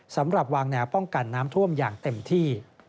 สำหรับวางแนวป้องกันน้ำท่วมอย่างเต็มที่